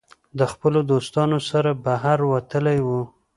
د خپلو دوستانو سره بهر وتلی وو